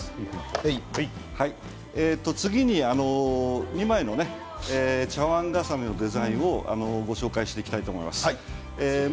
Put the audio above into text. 次に２枚の茶わん重ねのデザインをご紹介していきます。